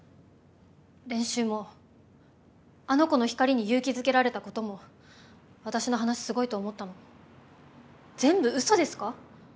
練習もあの子の光に勇気づけられたことも私の話すごいと思ったも全部うそですか？